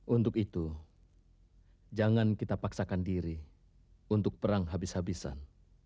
untuk itu jangan kita paksakan diri untuk perang habis habisan